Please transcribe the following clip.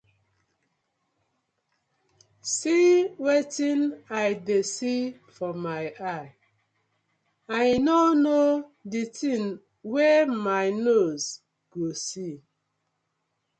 See wetin I dey see for my eye, I no no di tin wey my nose go see.